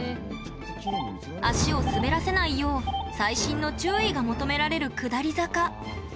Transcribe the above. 足を滑らせないよう細心の注意が求められる下り坂。